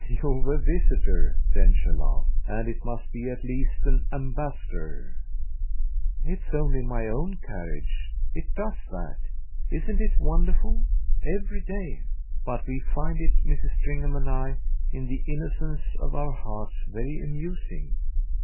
"You've a visitor," Densher laughed, "and it must be at least an ambassador." "It's only my own carriage; it does that isn't it wonderful? every day. But we find it, Mrs. Stringham and I, in the innocence of our hearts, very amusing."